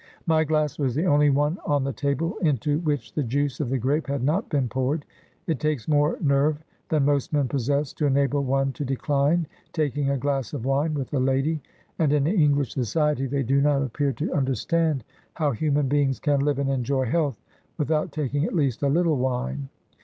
My glass was the only one on the table into which the juice of the grape had not been poured. It takes more nerve than most men possess to enable one to decline taking a glass of wine with a lady; and in English society, they do not appear to AN AMERICAN BONDMAN. 93 understand how human beings can live and enjoy health without taking at least a little wine.